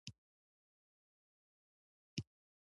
افغانستان تکتونیکي پلیټو پولې ته څېرمه پروت دی